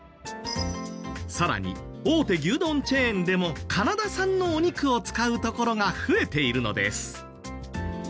さらに大手牛丼チェーンでもカナダ産のお肉を使うところが増えているのです。